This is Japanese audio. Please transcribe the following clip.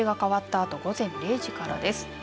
あと午前０時からです。